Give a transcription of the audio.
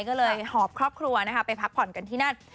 ก็เลยหอบครอบครัวไปพักผ่อนกันที่นั่น